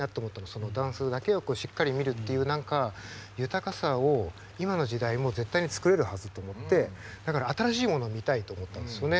そのダンスだけをしっかり見るっていう豊かさを今の時代もう絶対に作れるはずと思ってだから新しいものを見たいと思ったんですよね。